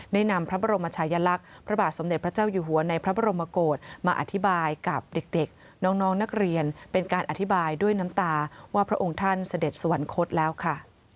นำพระบรมชายลักษณ์พระบาทสมเด็จพระเจ้าอยู่หัวในพระบรมโกศมาอธิบายกับเด็กน้องนักเรียนเป็นการอธิบายด้วยน้ำตาว่าพระองค์ท่านเสด็จสวรรคตแล้วค่ะ